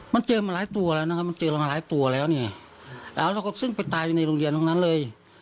มันเจอมาหลายตัวแล้วนะครับมันเจอเรามาหลายตัวแล้วเนี่ยแล้วเราก็ซึ่งไปตายอยู่ในโรงเรียนตรงนั้นเลย